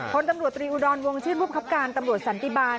คนตำรวจตรีอุดรวงชื่นผู้บังคับการตำรวจสันติบาล